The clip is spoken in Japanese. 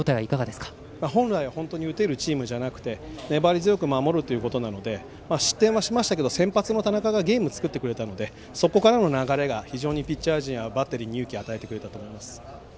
本来は打てるチームではなくて粘り強く守るということなので失点はしましたが先発の田中がゲームを作ってくれたのでそこからの流れが非常にバッテリーやピッチャー陣に勇気を与えてくれたと思います。